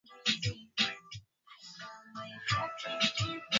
Kutokwa mate kwa wingi